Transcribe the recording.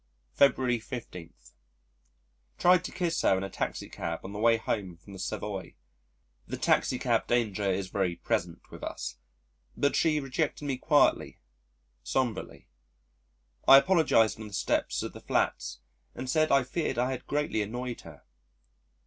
February 15. Tried to kiss her in a taxi cab on the way home from the Savoy the taxi cab danger is very present with us but she rejected me quietly, sombrely. I apologised on the steps of the Flats and said I feared I had greatly annoyed her.